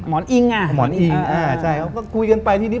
หมอนอิงอ่ะหมอนอิงอ่าใช่เขาก็คุยกันไปทีนี้